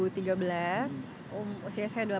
itu bisa diperlukan untuk mengembalikan diri